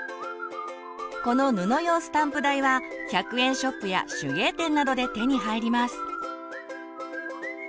この布用スタンプ台は１００円ショップや手芸店などで手に入ります。